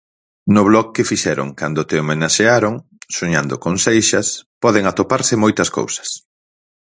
No blog que fixeron cando te homenaxearon, 'Soñando con seixas', poden atoparse moitas cousas.